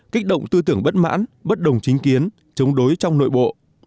kích động tư tưởng bất mãn bất đồng chính kiến chống đối trong nội bộ